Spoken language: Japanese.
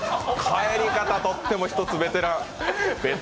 帰り方一つとっても、ベテラン。